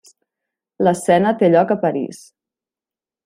L'escena té lloc a París.